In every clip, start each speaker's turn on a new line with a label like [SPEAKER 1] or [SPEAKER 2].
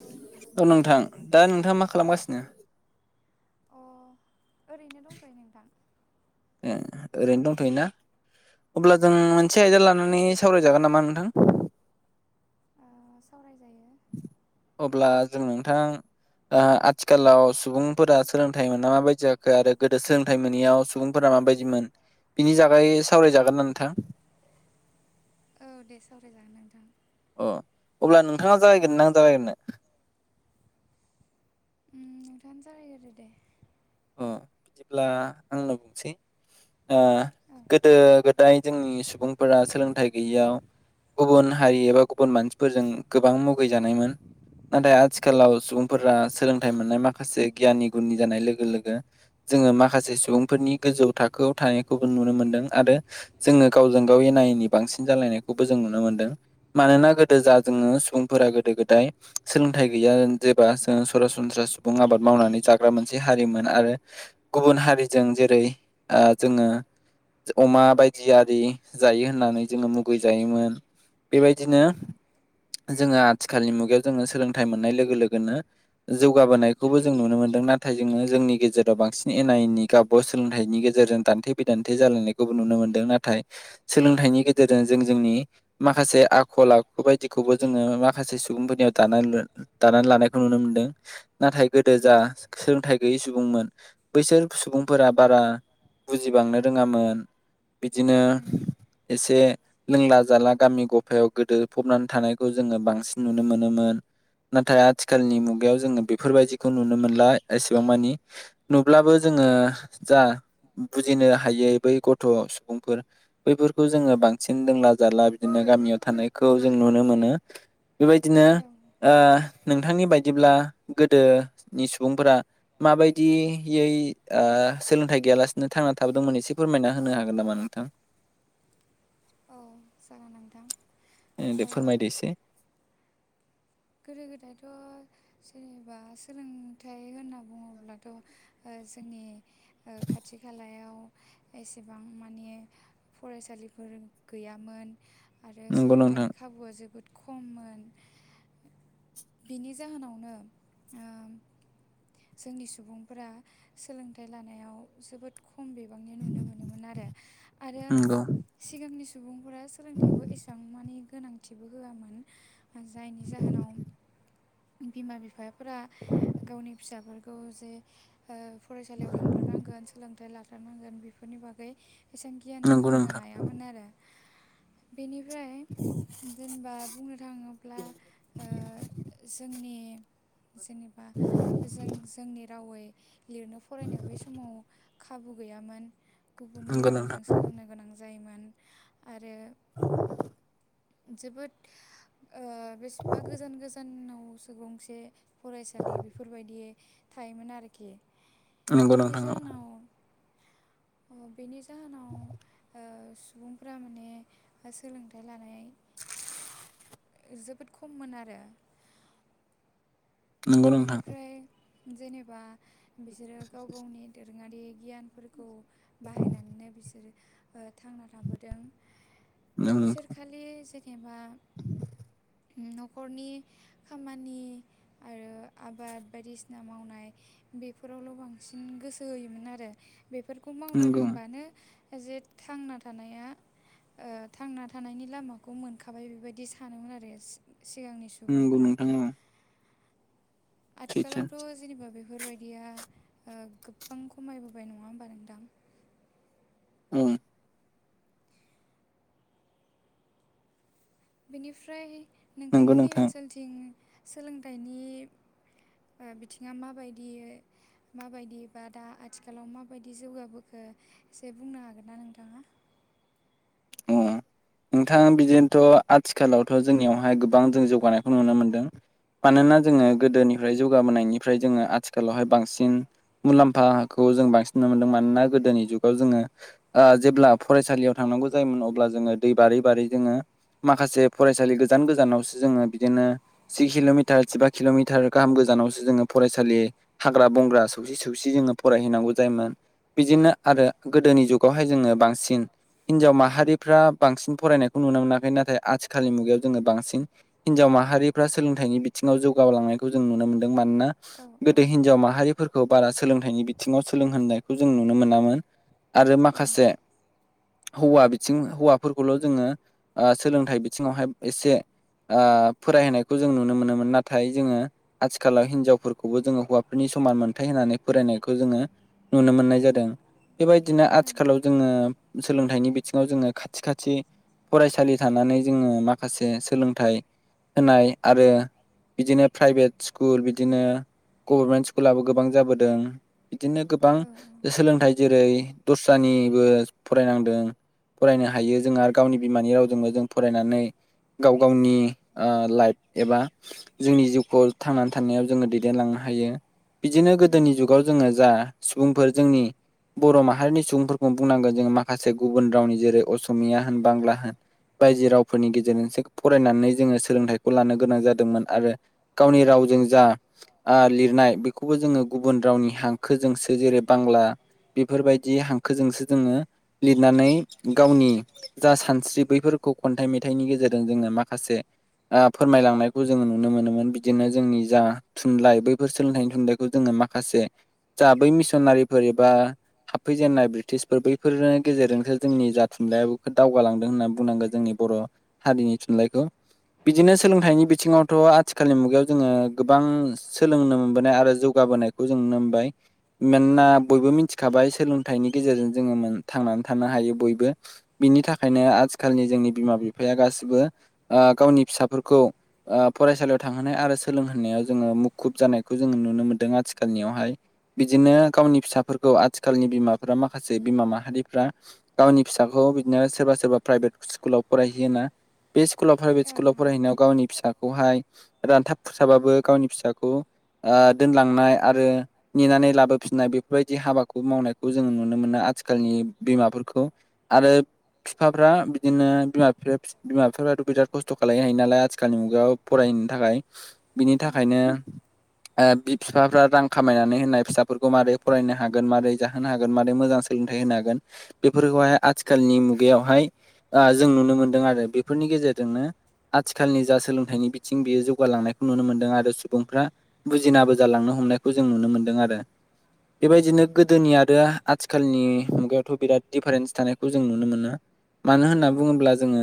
[SPEAKER 1] औ।
[SPEAKER 2] औ नोंथां दा नोंथाङा मा खालामगासिनो।
[SPEAKER 1] अ ओरैनो दंथ'यो नोंथां।
[SPEAKER 2] ए ओरैनो दंथ'योना
[SPEAKER 1] औ
[SPEAKER 2] अब्ला जों मोनसे आयदा लानानै सावरायजागोन नामा नोंथां?
[SPEAKER 1] सावरायजायो।
[SPEAKER 2] अब्ला जों नोंथां। आथिखालाव सुबुंफोरा सोलोंथाइ मोना माबायदि जाखो आरो गोदो सोलोंथाइ मोनैयाव सुबुंफोरा माबायदिमोन बिनि जागै सावरायजागोन ना नोंथां।
[SPEAKER 1] औ दे सावरायजागोन नोंथां।
[SPEAKER 2] अ अब्ला नोंथाङा जाहैगोन नां जाहैगोन ना।
[SPEAKER 1] नोंथाङानो जालायग्रोदो दे।
[SPEAKER 2] अ बिदिब्ला आंनो बुंसै
[SPEAKER 1] औ
[SPEAKER 2] गोदो गो दाय जोंनि सुबुंफोरा सोलोंथाइ गैयियाव गुबुन हारि एबा गुबुन मानसिफोरजों गोबां मुगैजानायमोन। नाथाय आथिखालाव सुबुंफोरा सोलोंथाइ मोननाय माखासे गियाननि गुननि जानाय लोगो लोगो। जोङो माखासे सुबुंफोरनि गोजौ थाखोआव थानायखौबो नुनो मोनदों आरो। जोङो गावजों गाव एना एनि बांसिन जालायनायखौबो जों नुनो मोनदों। मानोना गोदो जा जोङो सुबुंफोरा गोदो गोदाय सोलोंथाइ गैया जेबा जों सरासनस्रा सुबुं आबाद मावनानै जाग्रा मोनसे हारि मोन। आरो गुबुन हारिजों जेरै जोङो अमा बायदि आरि जायो होननानै जोङो मुगै जायोमोन।
[SPEAKER 1] औ
[SPEAKER 2] बेबायदिनो
[SPEAKER 1] औ
[SPEAKER 2] जोङो आथिखालनि मुगायाव जोङो सोलोंथाइ मोननाय लोगो लोगोनो जौगाबोनायखौबो जों नुनो मोन्दों नाथाय जोङो जोंनि गेजेराव बांसिन एना एनि गाबब सोलोंथाइनि गेजेरजों दान्थे बिदान्थे जालायनायखौबो नुनो मोन्दों नाथाय। सोलोंथाइनि
[SPEAKER 1] उम
[SPEAKER 2] गेजेरजों जों जोंनि माखासे आखल आखु बायदिखौबो जोङो माखासे सुबुंफोरनियाव दानानै दानानै लानायखौ नुनो मोनदों नाथाय गोदो
[SPEAKER 1] उम
[SPEAKER 2] जा सोलोंथाइ गै सुबुंमोन बैसोर सुबुंफोरा बारा बुजिबांनो रोङामोन। बिदिनो
[SPEAKER 1] उम
[SPEAKER 2] एसे लोंला जाला गामि गफायाव गोदो फबनानै थानायखौ जोङो बांसिन नुनो मोनोमोन। नाथाय
[SPEAKER 1] औ
[SPEAKER 2] आथिखालनि मुगायाव जोङो बेफोरबायदिखौ नुनो मोनला एसेबां मानि नुब्लाबो जोङो जा बुजिनो हायो बै गथ' सुबुंफोर बैफोरखौ जोङो बांसिन दोंला जाला बिदिनो गामियाव थानायखौ जों नुनो मोनो। बेबायदिनो
[SPEAKER 1] औ
[SPEAKER 2] नोंथांनि बायदिब्ला गोदोनि सुबुंफोरा माबायदियै सोलोंथाइ गैयालासिनो थांना थाबोदोंमोन एसे फोरमायना होनो हागोन नामा नोंथां?
[SPEAKER 1] औ जागोन नोंथां
[SPEAKER 2] ए
[SPEAKER 1] ओ
[SPEAKER 2] दे फोरमायदो एसे
[SPEAKER 1] गोदो गोदायथ' जेनेबा सोलोंथाइ होनना बुङोब्लाथ' जोंनि खाथि खालायाव एसेबां मानि फरायसालिफोर गैयामोन आरो
[SPEAKER 2] नंगौ नोंथां
[SPEAKER 1] सोलोंथाइनि खाबुआ जोबोद खममोन बिनि जाहोनावनो ओ जोंनि सुबुंफोरा सोलोंथाइ लानायाव जोबोद खम बिबांनि नुनो मोनोमोन आरो आरो
[SPEAKER 2] नंगौ
[SPEAKER 1] सिगांनि सम सुबुंफोरा सोलोंथाइखौ एसेबां मानि गोनांथिबो होआमोन जायनि जाहोनाव बिमा बिफाफोरा गावनि फिसाफोरखौ जे फरायसालियाव थांथारनांगोन सोलोंथाइ ला थारनांगोन बेफोरनि बागै एसेबां गियान
[SPEAKER 2] नंगौ
[SPEAKER 1] होनो
[SPEAKER 2] नोंथां
[SPEAKER 1] हायामोन आरो बेनिफ्राय जेनेबा बुंनो थाङोब्ला जोंनि जेनेबा जों जोंनि रावै लिरनो फरायनो बै समाव खाबु गैयामोन गुबुननि
[SPEAKER 2] नंगौ
[SPEAKER 1] रावजों
[SPEAKER 2] नोंथां
[SPEAKER 1] सोलोंनो गोनां जायो जायोमोन आरो जोबोद ओ बेसेबा गोजान गोजानावसो गंसे फरायसालि बेफोर बेफोरबायदि थायोमोन आरोखि
[SPEAKER 2] नंगौ
[SPEAKER 1] बिनि
[SPEAKER 2] नोंथां औ
[SPEAKER 1] जाहोनाव अ बेनि जाहोनाव
[SPEAKER 2] [inaudible]
[SPEAKER 1] सुबुंफ्रा माने सोलोंथाइ लानाय
[SPEAKER 2] [inaudible]
[SPEAKER 1] जोबोद खममोन आरो
[SPEAKER 2] नंगौ नोंथां
[SPEAKER 1] बिनिफ्राय जेनेबा बिसोरो गाव गावनि दोरोङारि गियानफोरखौ बाहायनानैनो बिसोरो थांना थाबोदों
[SPEAKER 2] नंगौ
[SPEAKER 1] बिसोर खालि एबा न'खरनि खामानि आरो आबाद बायदिसिना मावनाय बेफोरावल' बांसिन गोसो होयोमोन आरो बेफोरखौ मावनो
[SPEAKER 2] नंगौ
[SPEAKER 1] रोंबानो जे थांना थानाया थांना थानायनि लामाखौ मोनखाबाय बेबायदि सानोमोन आरो सिगांनि सुबुंफोरा
[SPEAKER 2] नोंथां औ सैथो
[SPEAKER 1] आथिखालावथ' जेनेबा बेफोरबायदिया गोबां खमायबोबाय नङा होमबा नोंथां
[SPEAKER 2] औ
[SPEAKER 1] बेनिफ्राय
[SPEAKER 2] नंगौ
[SPEAKER 1] नोंथांमोननि
[SPEAKER 2] नोंथां
[SPEAKER 1] ओनसोलथिं सोलोंथाइनि बिथिङा माबायदि माबायदि बा दा आथिखालाव माबायदि जौगाबोखो एसे बुंनो हागोन ना नोंथाङा
[SPEAKER 2] अ नोंथां बिदिनोथ' आथिखालावथ' जोंनियावहाय गोबां जों जौगानायखौ नुनो मोनदों मानोना जोङो
[SPEAKER 1] औ
[SPEAKER 2] गोदोनिफ्राय जौगाबोनायनिफ्राय जोङो आथिखालावहाय बांसिन मुलाम्फाखौ जों बांसिन नुनो मोन्दों मानोना गोदोनि जुगाव जोङो जेब्ला फरायसालियाव थांनांगौ जायोमोन अब्ला जोङो दै बारै बारै जोङो माखासे फरायसालि गोजान गोजानावसो जोङो बिदिनो जि किल'मिटार जिबा किल'मिटार गाहाम गोजानावसो जोङो फरायसालि हाग्रा बंग्रा सौसि सौसि जोङो फरायहैनांगौ जायोमोन बिदिनो आरो गोदोनि जुगावहाय जोङो बांसिन हिनजाव माहारिफ्रा बांसिन फरायनायखौ नुनो मोनाखै नाथाय आथिखालनि मुगायाव जोङो बांसिन हिनजाव माहारिफ्रा सोलोंथाइनि बिथिङाव जौगालांनायखौ जों नुनो मोन्दों मानोना
[SPEAKER 1] औ औ
[SPEAKER 2] गोदो हिनजाव माहारिफोरखौ बारा सोलोंथाइनि बिथिङाव सोलोंहोननायखौ जों नुनो मोनामोन। आरो
[SPEAKER 1] ओं
[SPEAKER 2] माखासे हौवा बिथिं हौवाफोरखौल' जोङो सोलोंथाइ बिथिङावहाय एसे ओ फरायहैायखौ जों नुनो मोनोमोन नाथाय जोङो आथिखालाव हिनजावफोरखौबो जोङो हौवाफोरनि समान मोनथाय होनानै फरायनायखौ जोङो नुनो मोननाय जादों बेबायदिनो
[SPEAKER 1] ओं
[SPEAKER 2] आथिखालाव जोङो सोलोंथाइनि बिथिङाव जोङो खाथि खाथि फरायसालि थानानै जोङो माखासे सोलोंथाइ होनाय आरो बिदिनो प्राइभेट स्कुल बिदिनो गभर्नमेन्ट स्कुलाबो गोबां जाबोदों। बिदिनो गोबां
[SPEAKER 1] औ ओम
[SPEAKER 2] सोलोंथाइ जेरै दस्रानिबो फरायनांदों फरायनो हायो जों आरो गावनि बिमानि रावजोंबो जों फरायनानै गाव गावनि ओ लाइफ एबा जोंनि जिउखौ थांनानै थानायाव जोङो दैदेनलांनो हायो। बिदिनो गोदोनि जुगाव जोङो जा सुबुंफोर जोंनि बर' माहारिनि सुबुंफोरखौ बुंनांगोन जोंङ माखासे गुबुन रावनि जेरै असमिया होन बांला होन बायजो रावफोरनि गेजेरजोंसो फरायनानै जोङो सोलोंथाइखौ लानो गोनां जादोंमोन आरो गावनि रावजों जा ओ लिरनाय बेखौबो जोङो गुबुन रावनि हांखोजोंसो जेरै बांला बेफोरबायदि हांखोजोंसो जोङो लिरनानै गावनि जा सानस्रि बैफोरखौ खन्थाइ मेथाइनि गेजेरजों जोंनो माखासे ओ फोरमायलांनायखौ जोङो नुनो मोनोमोन बिदिनो जोंनि जा थुनलाइ बैफोर सोलोंथाइनि थुनलाइखौ जोङो माखासे जा बै मिसनारिफोर एबा हाबफैजेननाय ब्रिटिशफोर बैफोरनो गेजेरजोंसो जोंनि जा थुनलाइाबो दावगालांदों होननानै बुंनांगोन जोंनि बर' हारिनि थुनलाइखौ। बिदिनो सोलोंथाइनि बिथिङावथ' आथिखालनि मुगायाव जोङो गोबां सोलोंनो मोनबोनाय आरो जौगाबोनाय खौ जों नामबाय मानोना
[SPEAKER 1] ओं
[SPEAKER 2] बयबो मिथिखाबाय सोलोंथाइनि गेजेरजों जोङो थांनानै थानो हायो बयबो। बिनि थाखायनो आथिखालनि जोंनि बिमा बिफाया गासिबो ओ गावनि फिसाफोरखौ ओ फरायसालियाव थांहोनाय आरो सोलोंहोनायाव जोङो मुखुब जानायखौ जोङो नुनो मोन्दों आथिखालनियावहाय। बिदिनो गावनि फिसाफोरखौ आथिखालनि बिमाफोरा माखासे बिमा माहारि गावनि फिसाखौ बिदिनो सोरबा सोरबा प्राइभेट स्कुलाव फरायहैयो ना। बे स्कुलाव प्राइभेट
[SPEAKER 1] ओं
[SPEAKER 2] स्कुलाव फरायहैनायाव गावनि फिसाखौहाय रानथाब खुरसाबाबो गावनि फिसाखौ ओ दोनलांनाय आरो नेनानै लाबोफिननाय बेफोरबायदि हाबाखौ मावनायखौ जोङो नुनो मोनो आथिखालनि बिमाफोरखौ आरो बिफाफ्रा बिदिनो बिमा बिफाया बिमा बिफ्राथ' बिराद खस्थ' खालनो हायो नालाय आथिखालनि मुगायाव फरायनो थाखाय। बिनि
[SPEAKER 1] ओं
[SPEAKER 2] थाखायनो ओ बि बिफाफ्रा रां खामायनानै होननाय फिसाफोरखौ मारै फरायनो हागोन मारोरै जाहोन हागोन मारै मोजां सोलोंथाइ होनो हागोन बेफोरखौहाय आथिखालनि मुगायावहाय ओ जों नुनो मोनदों आरो बेफोरनि गेजेरजोंनो आथिखालनि जा सोलोंथाइनि बिथिं बेयो जौगालांनायखौ नुनो मोनदों आरो सुबुंफ्रा बुजिनाबो जालांनो हमनायखौ जों नुनो मोन्दों आरो। बेबायदिनो गोदोनि आरो आथिखालनि मुग बिराद दिफारेन्स थानायखौ जों नुनो मोना मानो होनना
[SPEAKER 1] ओं
[SPEAKER 2] बुङोब्ला जोङो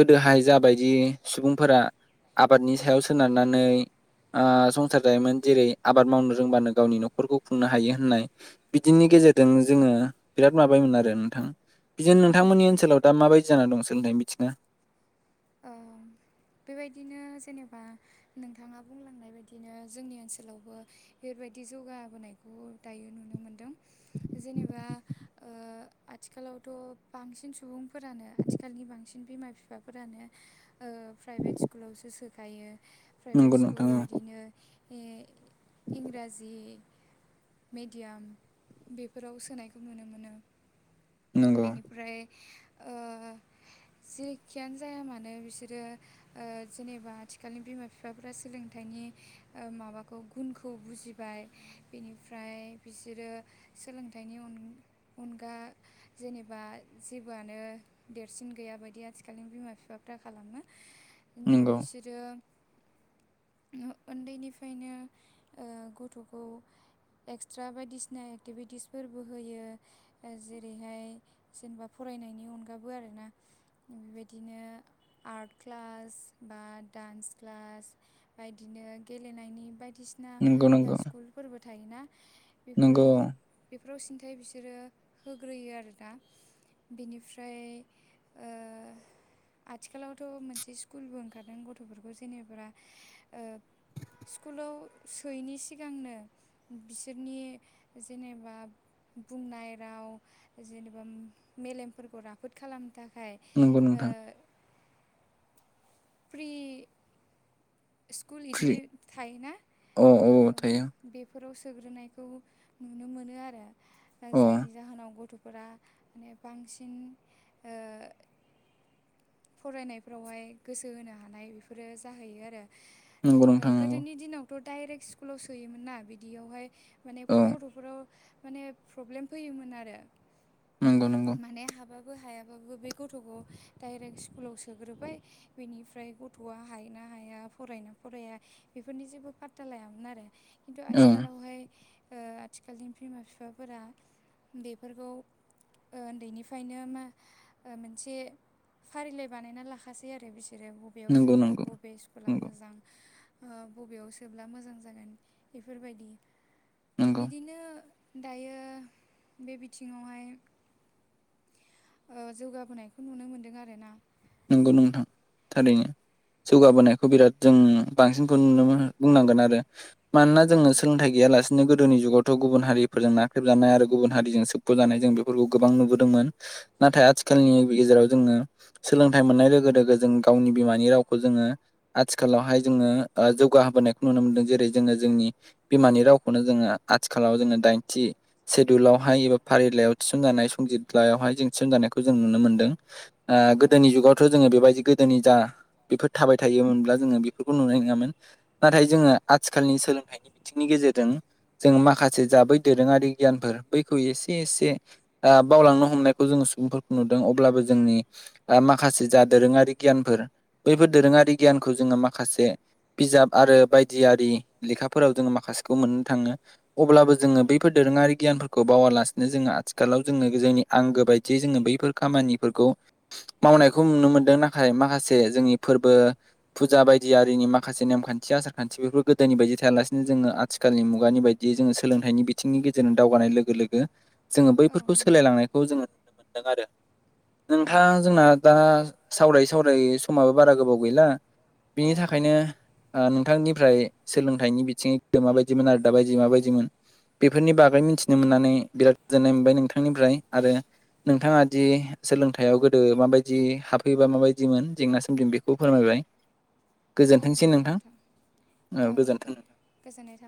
[SPEAKER 2] गोदोहाय जाबायदि सुबुंफोरा आबादनि सायाव सोनारनानै ओ संसार जायोमोन जेरै आबाद मावनो रोंबानो गावनि न'खरखौ खुंनो हायो होननाय बिदिनि गेजेरजों जोङो बिराद माबायोन आरो नोंथां बिदिनो नोंथांमोननि ओनसोलाव दा माबायदि जानानै दं सोलोंथाइ बिथिना
[SPEAKER 1] औ
[SPEAKER 2] [inaudible]
[SPEAKER 1] बेबायदिनो जेनेबा नोंथाङा बुंलांनाय बायदिनो जोंनि ओनसोलावबो बेबायदि जौगाबोनाय। [unintelligible] दायो नुनो मोनदों जेनेबा। ओ आथिखालावथ' बांसिन सुबुंफोरानो आथिखालनि बांसिन बिमा बिफाफोरानो। ओ प्राइभेट स्कुलावसो सोखायो प्राइभेट
[SPEAKER 2] नंगौ नोंथां
[SPEAKER 1] स्कुल
[SPEAKER 2] औ
[SPEAKER 1] बिदिनो ओ इंराजि मेडियाम बेफोराव सोनायखौ नुनो मोनो।
[SPEAKER 2] नंगौ
[SPEAKER 1] बेनिफ्राय जेखियानो जाया मानो। नो बिसोरो ओ जेनेबा आथिखालनि बिमा बिफाफोरा सोलोंथाइनि ओ माबाखौ गुनखौ बुजिबाय। बेनिफ्राय बिसोरो सोलोंथाइनि अन-अनगा। जेनेबा जेबोआनो देरसिन गैया बायदि आथिखालनि बिमा-बिफा। फथा खालामो,
[SPEAKER 2] नंगौ
[SPEAKER 1] बिसोरो ओ ओन्दैनिफायनो ओ गथ'खौ एक्सट्रा बायदिसिना एक्टिभिटिसफोरबो होयो। ओ जेरैहाय जेनेबा फरायनायनि अनगाबो आरोना बेबायदिनो। आर्ट क्लास बा डान्स क्लास बायदिनो गेलेनायनि बायदि बिना
[SPEAKER 2] नंगौ
[SPEAKER 1] ओ
[SPEAKER 2] नंगौ
[SPEAKER 1] स्कुलफोरबो थायोना
[SPEAKER 2] नंगौ
[SPEAKER 1] बेफोराव। बेफोराव सिन्थाय बिसोरो होग्रोयो आरो दा। बेनिफ्राय ओ आथिखालावथ' मोनसे स्कुलबो ओंखारदों गथ'फोरखौ जेनेब्रा ओ स्कुलाव सोयैनि सिगांनो बिसोरनि जेनेबा बुंनाय राव जेनेबा मेलेमफोरखौ राफोद खालामनो थाखाय।
[SPEAKER 2] नंगौ
[SPEAKER 1] ओ
[SPEAKER 2] नोंथां।
[SPEAKER 1] फ्रि। स्कुल इदि
[SPEAKER 2] फ्रि
[SPEAKER 1] थायोना?
[SPEAKER 2] अ औ थायो
[SPEAKER 1] बेफोराव सोग्रोनायखौ नुनो मोनो आरो। ओ जायनि
[SPEAKER 2] अ
[SPEAKER 1] जाहोनाव गथ'फोरा माने बांसिन ओ फरायनायफ्रावहाय गोसो होनो हानाय बेफोरो जाहैयो आरो।
[SPEAKER 2] नंगौ
[SPEAKER 1] ओ
[SPEAKER 2] नोंथां नंगौ
[SPEAKER 1] गोदोनि दिनावथ' डाइरेक्ट स्कुलाव सोयोमोन ना बिदियावहाय माने
[SPEAKER 2] औ
[SPEAKER 1] गथ'फोराव माने प्रब्लेम फैयोमोन आरो।
[SPEAKER 2] नंगौ नंगौ
[SPEAKER 1] माने हाबा हायाबाबो बे गथ'खौ डाइरेक्ट स्कुलाव सोग्रोबाय बेनिफ्राय गथ थ'आ हायो ना हाया? फरायोना फराया बेफोरनि जेबो पात्ता लायामोन आरो खिन्थु
[SPEAKER 2] औ
[SPEAKER 1] आथिखालावहाय ओ आथिखालनि बिमा बिफाफोरा बेफोरखौ ओ ओन्दैनिफायनो मा मोनसे फारिलाइ बानायना लाखासै आरो बिसोरो बेयाव
[SPEAKER 2] नंगौ
[SPEAKER 1] सोगोन
[SPEAKER 2] नंगौ
[SPEAKER 1] बबे स्कुला
[SPEAKER 2] नंगौ
[SPEAKER 1] मोजां? ओ बबेयाव सोब्ला मोजां जागोन बेफोरबायदि
[SPEAKER 2] नंगौ
[SPEAKER 1] बिदिनो दायो। बे बिथिङावहाय ओ जौगाबोनायखौ नुनो मोन्दों आरो ना।
[SPEAKER 2] नंगौ नोंथां थारैनो। जौगाबोनायखौ बिराद जों बांसिनखौ नुनो बुंनांगोन आरो। मानोना जोङो
[SPEAKER 1] ओं
[SPEAKER 2] सोलोंथाइ गैयालासे बिदिनो गोदोनि जुगावथ' गुबुन हारिफोरजों नाख्रेबजानाय आरो गुबुन हारिजों सोबख'जानाय जों बेफोरखौ गोबां नुबोदोंमोन। नाथाय आथिखालनि
[SPEAKER 1] ओं
[SPEAKER 2] गेजेराव जोङो सोलोंथाइ मोननाय लोगो लोगो जों गावनि बिमानि रावखो जोङो आथिखालावहाय जोङो जौगाहोबोनायखौ नुनो मोनदों। जेरै जोङो जोंनि बिमानि रावखौनो जोङो आथिखालाव जोङो दाइनथि सेडुलावहाय एबा फारिलाइयाव थिसनजानाय संजितलायावहाय जों थिसनजानायखौ जों नुनो मोन्दों। ओ गोद गोदोनि
[SPEAKER 1] ओं
[SPEAKER 2] जुगावथ' जोङो बेबायदि गोदोनि जा बेफोर थाबाय थायोमोनब्ला जोङो बेफोरखौ नुनाय नङामोन। नाथाय जोङो आथिखालनि सोलोंथाइनि। बिथिंनि गेजेरजों जों माखासे जाबै दोरोङारि गियानफोर बैखौ एसे एसे बावलांनो हमनायखौ जोङो सुबुंफोरखौ नुदों अब्लाबो जोंनि। माखासे जा दोरोङारि गियानफोर बैफोर दोरोङारि गियानखौ जोङो माखासे बिजाब आरो बायदियि लेखाफोराव जोङो माखासेखौ मोननो थाङो अब्लाबो जोङो
[SPEAKER 1] औ
[SPEAKER 2] बैफोर दोरोङारि गियानफोरखौ बावालासिनो जोङो आथिखालाव जोङो जोंनि आंगो बायदियै जोङो बैफोर खामानिफोरखौ। मावनायखौ नुनो मोन्दों नाथाय माखासे जोंनि फोरबो फुजा बायदियिनि माखासे नेमखान्थि आसार खान्थि बेफोर गोदोनि बायदि थायालासिनो जोङो आथिखाल मुगानि बायदि। जोङो सोलोंथाइनि बिथिंनि गेजेरजों दावगानाय लोगो लोगो जोङो
[SPEAKER 1] औ
[SPEAKER 2] बैफोरखौ
[SPEAKER 1] नंगौ
[SPEAKER 2] सोलायलांनायखौ जो नुनो मोन्दों आरो हा जोंना दा सावराय सावरायै समाबो बारा गोबाव गैला।
[SPEAKER 1] ओं औ
[SPEAKER 2] बिनि थाखायनो नोंथांनिफ्राय सोलोंथाइनि बिथिङै माबायदिमोन आरो दाबायदि मा बायदिमोन बेफोरनि बागै मिथिनो मोननानै बिराद गोजोननाय मोनबाय नोंथांनिफ्राय आरो। नोंथाङा दि सोलोंथा हायाव गोदो माबायदि हाबफैयोबा माबायदिमोन जेंना सोमजि बेखौ फोरमायबाय
[SPEAKER 1] औ
[SPEAKER 2] गोजोन्थोंसै
[SPEAKER 1] नंगौ
[SPEAKER 2] नोंथां औ गोजोन्थों।
[SPEAKER 1] गोजोननाय थाबाय